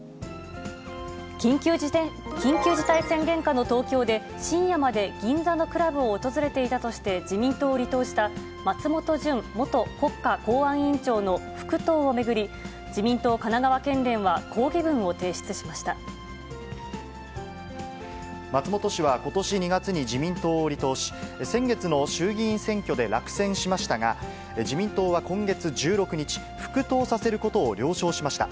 緊急事態宣言下の東京で、深夜まで銀座のクラブを訪れていたとして、自民党を離党した松本純元国家公安委員長の復党を巡り、自民党神松本氏はことし２月に自民党を離党し、先月の衆議院選挙で落選しましたが、自民党は今月１６日、復党させることを了承しました。